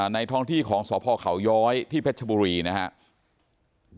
ท้องที่ของสพเขาย้อยที่เพชรชบุรีนะครับ